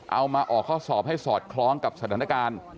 เอามาออกข้อสอบให้สอดคล้องกับสถานการณ์